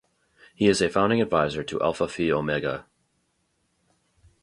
He is a founding advisor to Alpha Phi Omega.